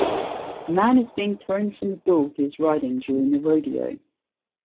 A man is being thrown from the bull he is riding during a rodeo